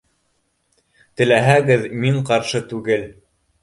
Теләһәгеҙ, мин ҡаршы түгел